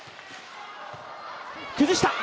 崩した！